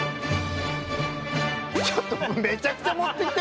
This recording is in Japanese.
ちょっとめちゃくちゃ持ってきてるじゃない。